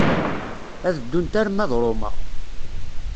Ad ddunt arma d Roma.